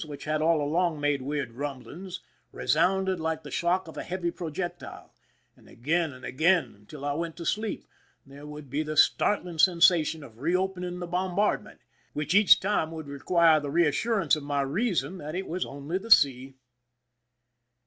209 THE SINKING OF THE "MERRIMAC" blings, resounded like the shock of a heavy projec tile, and again and again, until I went to sleep, there would be the startling sensation of reopening the bombardment, which each time would require the reassurance of my reason that it was only the sea.